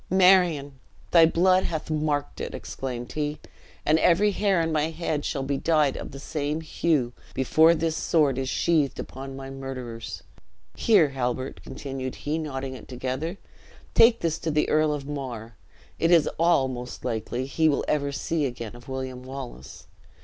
"Marion, thy blood hath marked it!" exclaimed he; "and every hair on my head shall be dyed of the same hue, before this sword is sheathed upon thy murderers. Here, Halbert," continued he, knotting it together, "take this to the Earl of Mar; it is all, most likely, he will ever see again of William Wallace.